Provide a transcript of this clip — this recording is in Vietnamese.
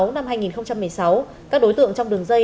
năm hai nghìn một mươi sáu các đối tượng trong đường dây